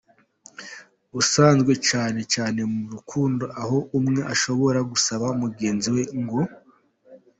busanzwe cyane cyane mu rukukondo aho umwe ashobora gusaba mugenzi we ngo.